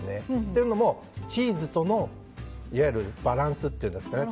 というのもチーズとのいわゆるバランスというんですかね。